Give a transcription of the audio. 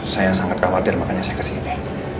saya sangat khawatir makanya saya kesini